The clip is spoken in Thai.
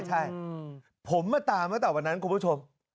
ใช่ผมมาตามตั้งแต่วันนั้นคุณผู้ชม